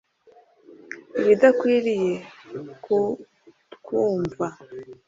ibidakwiriye kutwumva